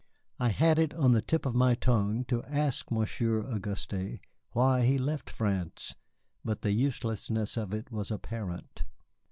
I had it on the tip of my tongue to ask Monsieur Auguste why he left France, but the uselessness of it was apparent.